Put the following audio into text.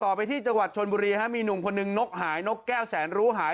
ไปที่จังหวัดชนบุรีฮะมีหนุ่มคนนึงนกหายนกแก้วแสนรู้หาย